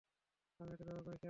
আমি এটা ব্যবহার করেছি এর আগে।